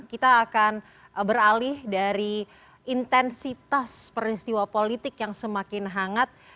kita akan beralih dari intensitas peristiwa politik yang semakin hangat